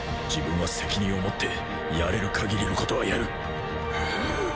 自分は責任を持ってやれる限りのことはやる